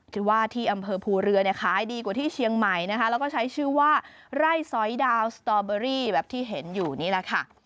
ที่ว่าที่อำเภอภูเรือเนี่ยขายดีกว่าที่เชียงใหม่นะคะแล้วก็ใช้ชื่อว่าไร่สอยดาวสตอเบอรี่แบบที่เห็นอยู่นี่แหละค่ะ